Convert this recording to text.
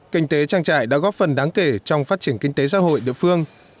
kinh tế trang trại đã góp phần đáng kể trong phát triển kinh tế xã hội địa phương